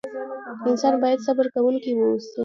انسان بايد صبر کوونکی واوسئ.